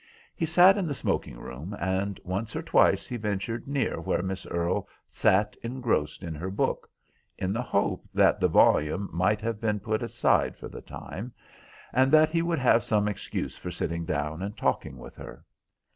He sat in the smoking room, and once or twice he ventured near where Miss Earle sat engrossed in her book, in the hope that the volume might have been put aside for the time, and that he would have some excuse for sitting down and talking with her.